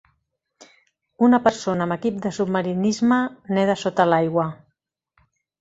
Una persona amb equip de submarinisme nada sota l'aigua.